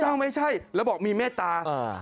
เจ้าไม่ใช่แล้วบอกมีแม่ตา